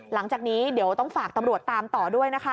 หลังจากนี้เดี๋ยวต้องฝากตำรวจตามต่อด้วยนะคะ